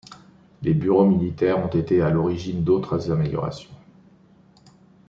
Les bureaux militaires ont été à l'origine d'autres améliorations.